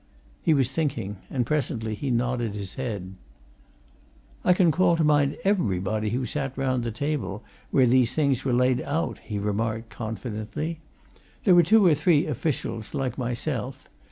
He was thinking, and presently he nodded his head. "I can call to mind everybody who sat round that table, where these things were laid out," he remarked, confidently. "There were two or three officials, like myself.